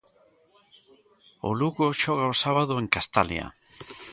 O Lugo xoga o sábado en Castalia.